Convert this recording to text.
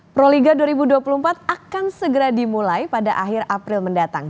proliga dua ribu dua puluh empat akan segera dimulai pada akhir april mendatang